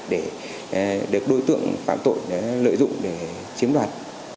để được đối tượng phạm tội lợi dụng để chiếm đoạt